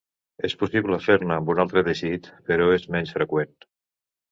És possible fer-ne amb un altre teixit, però és menys freqüent.